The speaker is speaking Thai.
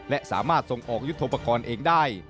และสามารถส่งออกยุทธโปรกรณ์เองได้